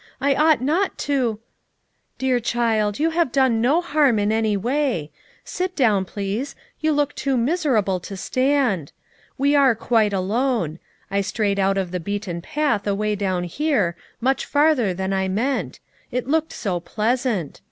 I ought not to—" "Dear child, you have done no harm in any way. Sit down, please, you look too miserable 82 FOUB MOTHERS AT CHAUTAUQUA 83 to stand. We are quite alone. I strayed out of the beaten path away down here, much farther than I meant; it looked so pleasant.